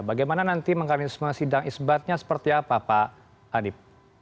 bagaimana nanti mengalami semua sidang isbatnya seperti apa pak adip